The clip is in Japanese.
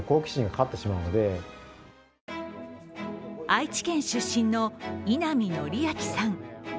愛知県出身の稲波紀明さん。